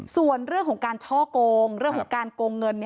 ส่วนเรื่องของการช่อกงเรื่องของการโกงเงิน